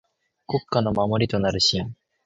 国家の守りとなる臣。